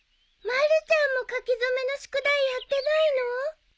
まるちゃんも書き初めの宿題やってないの！？